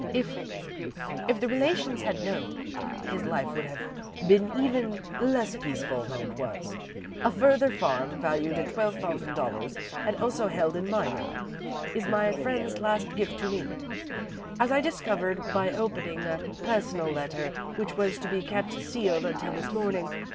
If if the relations had known, his life would have been even less peaceful than it was. A further farm, valued at twelve thousand dollars, and also held in my name, is my friend's last gift to me, as I discovered by opening a personal letter which was to be kept sealed until this morning.